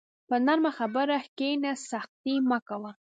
په نرمه خبره کښېنه، سختي مه کوه.